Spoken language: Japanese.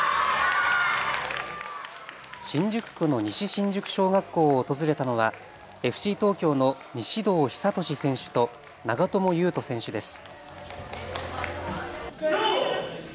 新宿区の西新宿小学校を訪れたのはＦＣ東京の西堂久俊選手と長友佑都選手です。